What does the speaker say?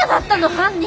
犯人。